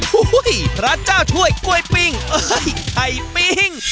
หู้ยรัชเจ้าช่วยกล้วยปิ้งไข่ปิ้ง